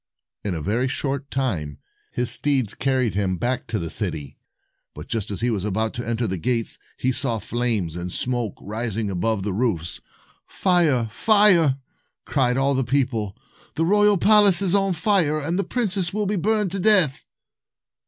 In a very short time, his steeds carried him back to the city; but, just as he was about to enter the gates, he saw flames and smoke rising above the roofs. "Fire! Fire!" cried all the people. "The royal palace is on fire, and the princess will be burned to death."